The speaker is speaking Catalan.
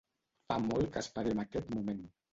Fa molt que esperem aquest moment.